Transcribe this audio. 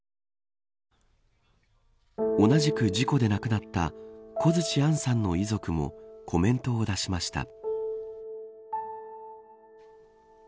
同じく事故で亡くなった小槌杏さんの遺族もコメントを出しました。